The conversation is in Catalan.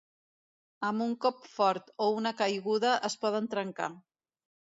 Amb un cop fort o una caiguda es poden trencar.